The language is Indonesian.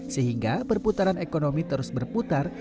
sehingga perputaran ekonomi terus berputar